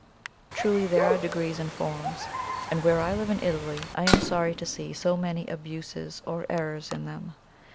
Truly there are degrees in forms, and where I live in Italy I am sorry to see so many abuses or errors in them.